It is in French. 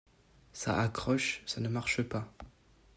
Ça accroche, ça ne marche pas.